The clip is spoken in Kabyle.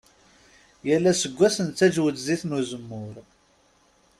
Yal aseggas nettaǧǧew-d zzit n uzemmur.